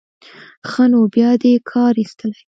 ښه نو بیا دې کار ایستلی.